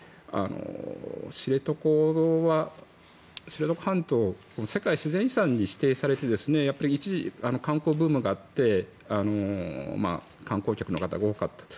知床半島、世界自然遺産に指定されて一時、観光ブームがあって観光客の方が多かった。